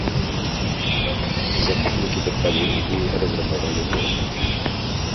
Захопнікі падпалілі і разрабавалі горад.